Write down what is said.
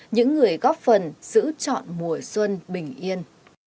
những người góp phần giữ chọn mùa xuân bình yên